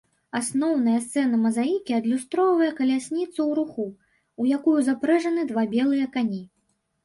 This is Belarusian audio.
Асноўная сцэна мазаікі адлюстроўвае калясніцу ў руху, у якую запрэжаны два белыя кані.